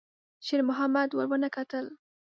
شېرمحمد ور ونه کتل.